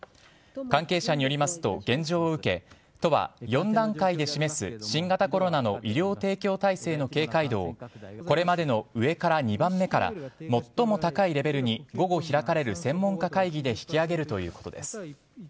関係者によりますと、現状を受け都は４段階で示す新型コロナの営業提供体制の警戒度をこれまでの上から２番目から最も高いレベルに午後開かれる専門家会議で引き上げるということです。